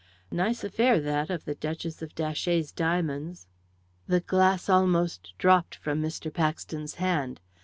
"Nice affair that of the Duchess of Datchet's diamonds." The glass almost dropped from Mr. Paxton's hand.